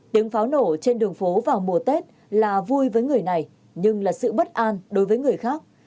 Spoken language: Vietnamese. tiếng pháo nổ trên đường phố vào mùa tết là vui với người này nhưng là sự bất an đối với người khác